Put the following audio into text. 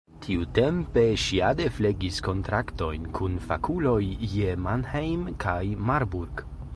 Tiutempe ŝi ade flegis kontaktojn kun fakuloj je Mannheim kaj Marburg.